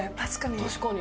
確かに。